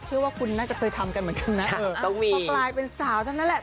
เชื่อว่าคุณน่าจะเคยทำกันเหมือนกันนะพอกลายเป็นสาวเท่านั้นแหละ